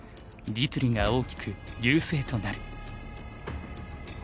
実利が大きく優勢となる。